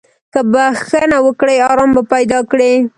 که بخښنه وکړې، ارام به پیدا کړې.